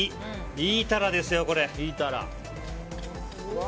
いいタラですよ、これ。